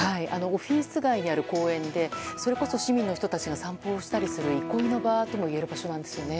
オフィス街にある公園で市民の人たちが散歩をしたりする憩いの場ともいえる場所なんですよね。